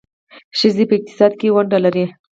ښځې په اقتصاد کې ونډه لري.